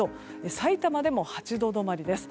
さいたまでも８度止まりです。